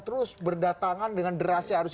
terus berdatangan dengan derasnya harus